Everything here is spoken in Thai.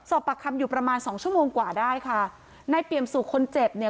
สอบปากคำอยู่ประมาณสองชั่วโมงกว่าได้ค่ะนายเปรียมสู่คนเจ็บเนี่ย